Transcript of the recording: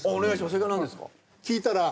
正解何ですか？